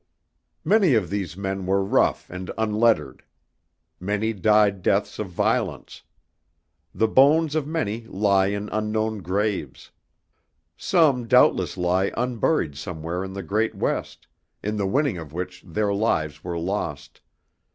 Many of these men were rough and unlettered. Many died deaths of violence. The bones of many lie in unknown graves. Some doubtless lie unburied somewhere in the great West, in the winning of which their lives were lost.